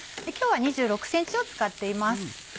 今日は２６ｃｍを使っています。